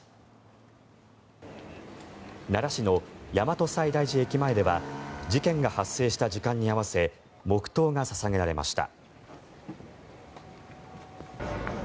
奈良市の大和西大寺駅前では事件が発生した時間に合わせ黙祷が捧げられました。